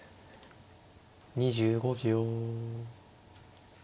２５秒。